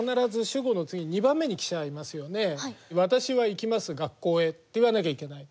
「私は行きます学校へ。」って言わなきゃいけない。